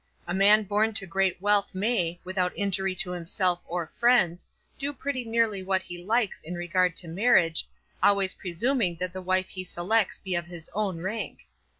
A man born to great wealth may, without injury to himself or friends, do pretty nearly what he likes in regard to marriage, always presuming that the wife he selects be of his own rank.